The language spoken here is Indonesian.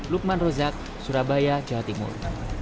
lukman rozak surabaya jawa timur